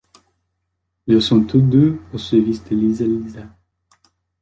Ils sont tout deux aux service de Lisa-Lisa.